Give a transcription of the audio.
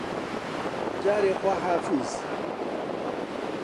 جارێ خواحافیز